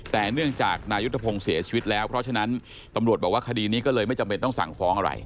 แต่เนื่องจากนายุทธพงศ์เสียชีวิตแล้วเพราะฉะนั้นตำรวจบอกว่าคดีนี้ก็เลยไม่จำเป็นต้องสั่งฟ้องอะไร